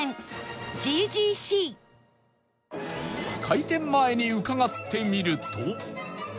開店前に伺ってみると